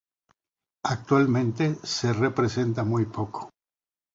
Actualmente se representa muy poco.